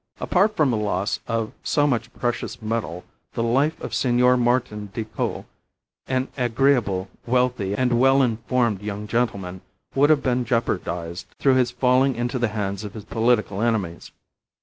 Apart from the loss of so much precious metal, the life of Senor Martin Decoud, an agreeable, wealthy, and well informed young gentleman, would have been jeopardized through his falling into the hands of his political enemies.